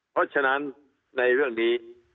เพราะฉะนั้นในเรื่องนี้